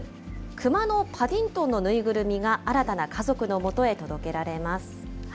くまのパディントンの縫いぐるみが新たな家族のもとへ届けられます。